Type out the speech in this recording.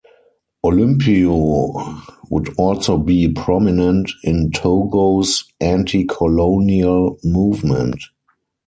Olympio would also be prominent in Togo's anti-colonial movement.